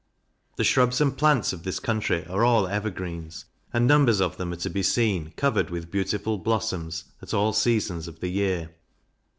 The shrubs and plants of this country are all evergreens, and numbers of them are to be seen, covered with beautiful blossoms, at all seasons of the year.